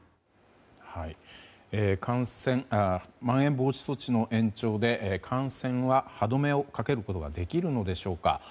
まん延防止措置の延長で感染の歯止めをかけることができるのでしょうか。